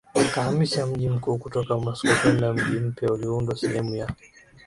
akahamisha mji mkuu kutoka Moscow kwenda mji mpya aliounda sehemu ya